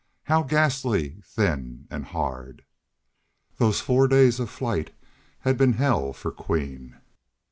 How ghastly thin and hard! Those four days of flight had been hell for Queen.